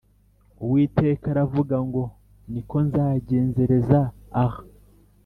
Uwiteka aravuga ngo Ni ko nzagenzereza aha